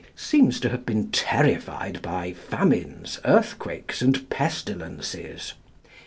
seems to have been terrified by famines, earthquakes and pestilences.